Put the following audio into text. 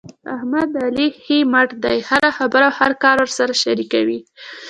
احمد د علي ښی مټ دی. هره خبره او کار ورسره شریکوي.